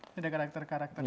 ini ada karakter karakternya